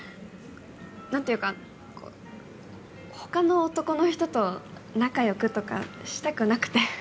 何ていうか他の男の人と仲良くとかしたくなくて。